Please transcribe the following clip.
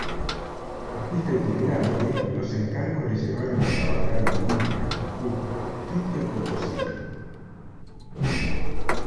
Artista itinerante, los encargos le llevaron a trabajar en Lima, Cuzco, Quito y Potosí.